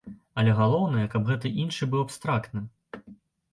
Але галоўнае, каб гэты іншы быў абстрактным.